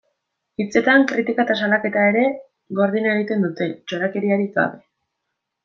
Hitzetan, kritika eta salaketa ere gordin egiten dute, txorakeriarik gabe.